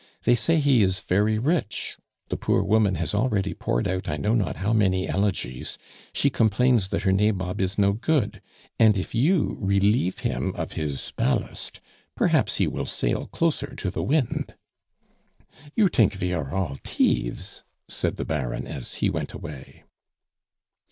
They say he is very rich. The poor woman has already poured out I know not how many elegies; she complains that her nabob is no good; and if you relieve him of his ballast, perhaps he will sail closer to the wind." "You tink ve are all tieves!" said the Baron as he went away.